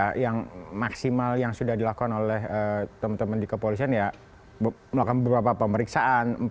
ya yang maksimal yang sudah dilakukan oleh teman teman di kepolisian ya melakukan beberapa pemeriksaan